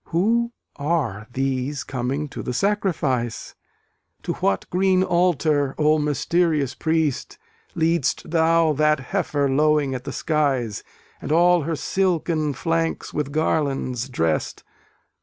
Who are these coming to the sacrifice? To what green altar, O mysterious priest, Lead'st thou that heifer lowing at the skies, And all her silken flanks with garlands drest?